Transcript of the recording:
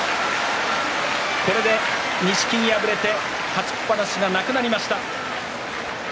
これで錦木敗れて勝ちっぱなしがなくなりました。